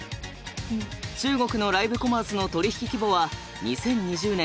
中国のライブコマースの取引規模は２０２０年